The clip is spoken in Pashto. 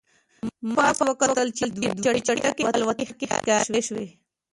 ما پاس وکتل چې دوې چټکې الوتکې ښکاره شوې